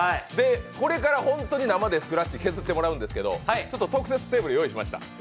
これから本当に生でスクラッチ削ってもらうんですけど特設テーブル用意しました。